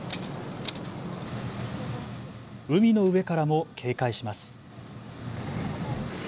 海の上からも警戒します。